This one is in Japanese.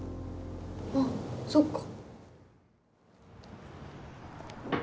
あっそっか。